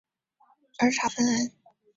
儿茶酚胺激素。